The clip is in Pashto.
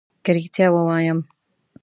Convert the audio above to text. که ريښتيا ووايم